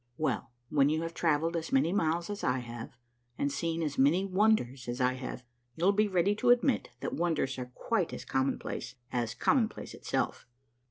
Well, when you have travelled as many miles as I have, and seen as many wonders as I have, you'll be ready to admit that wonders are quite as commonplace as commonplace itself.